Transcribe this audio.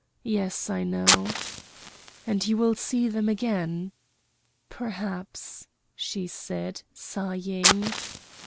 "Yes! I know." "And you will see them again." "Perhaps!" she said, sighing.